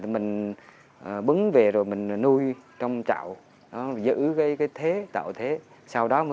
mình bứng về rồi mình nuôi trong chạo giữ cái thế tạo thế sau đó mới vào